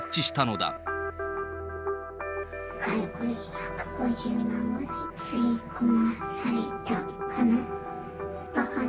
かれこれ１５０万ぐらいつぎ込まされたかな。